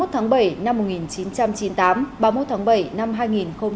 ba mươi một tháng bảy năm một nghìn chín trăm chín mươi tám ba mươi một tháng bảy năm hai nghìn hai mươi ba